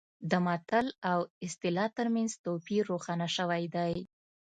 د متل او اصطلاح ترمنځ توپیر روښانه شوی دی